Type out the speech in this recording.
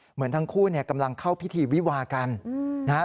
เหมือนทั้งคู่เนี่ยกำลังเข้าพิธีวิวากันนะครับ